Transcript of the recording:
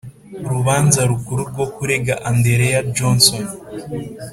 urubanza rukuru rwo kurega andereya johnson